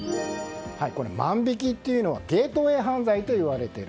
万引きというのはゲートウェイ犯罪といわれている。